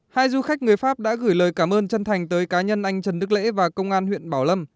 hai du khách người pháp đã gửi lời cảm ơn chân thành tới cá nhân anh trần đức lễ và công an huyện bảo lâm